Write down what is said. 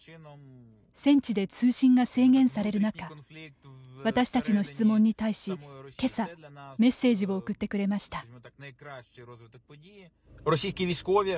戦地で通信が制限される中私たちの質問に対しけさ、メッセージを送ってくれました。